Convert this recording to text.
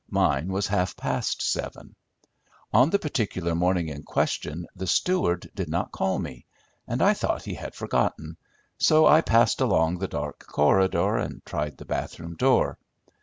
Mine was half past seven. On the particular morning in question the steward did not call me, and I thought he had forgotten, so I passed along the dark corridor and tried the bath room door.